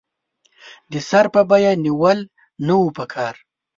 د سر په بیه نېول نه وو پکار.